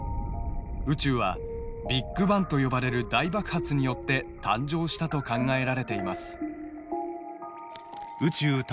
宇宙はビッグバンと呼ばれる大爆発によって誕生したと考えられています